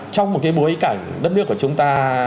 trong một cái bối cảnh đất nước của chúng ta